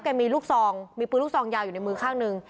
มีลูกซองมีปืนลูกซองยาวอยู่ในมือข้างหนึ่ง